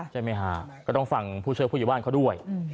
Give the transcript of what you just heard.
ใช่ไหมฮะก็ต้องฟังผู้ช่วยผู้ใหญ่บ้านเขาด้วย